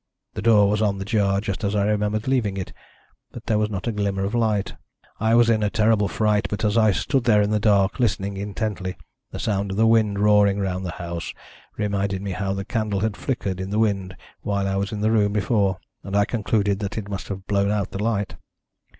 The door was on the jar, just as I remembered leaving it, but there was not a glimmer of light. I was in a terrible fright, but as I stood there in the dark, listening intently, the sound of the wind roaring round the house reminded me how the candle had flickered in the wind while I was in the room before, and I concluded that it must have blown out the light.